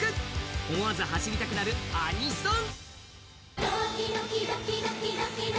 思わず走りたくなるアニソン。